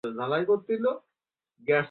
আমি তোমার সাথে সারাজীবন কাটাতে চাই।